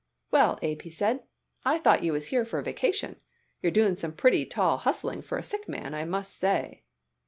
"Well, Abe," he said, "I thought you was here for a vacation. You're doing some pretty tall hustling for a sick man, I must say."